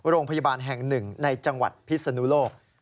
โรงพยาบาลแห่งหนึ่งในจังหวัดพิศนุโลก